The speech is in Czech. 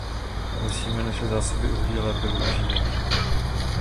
Musíme naše zásoby uhlí lépe využívat.